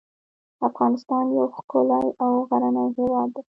افغانستان یو ښکلی او غرنی هیواد دی .